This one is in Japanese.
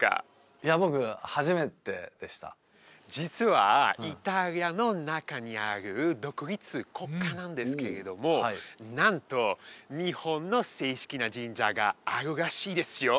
いや僕初めてでした実はイタリアの中にある独立国家なんですけれどもなんと日本の正式な神社があるらしいですよ